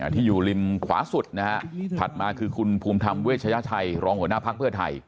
ที่อยู่ริมขวาสุดนะฮะถัดมาคือคุณภูมิธรรมเวชยชัยรองหัวหน้าภักดิ์เพื่อไทย